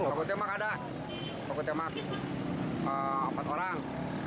baku tembak ada baku tembak empat orang